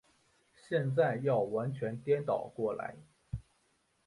现在要完全颠倒过来。